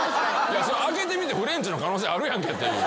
開けてみてフレンチの可能性あるやんけっていう。